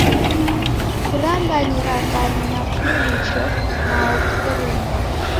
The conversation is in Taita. Kuranganyeranganye na mpiricho, nao kusere modo.